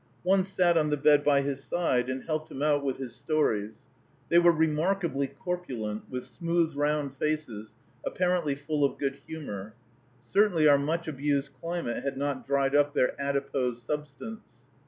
One sat on the bed by his side and helped him out with his stories. They were remarkably corpulent, with smooth, round faces, apparently full of good humor. Certainly our much abused climate had not dried up their adipose substance.